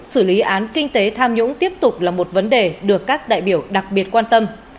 xử lý án kinh tế tham nhũng tiếp tục là một vấn đề được các đại biểu đặc biệt quan tâm